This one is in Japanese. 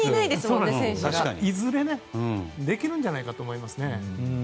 いずれできるんじゃないかと思いますね。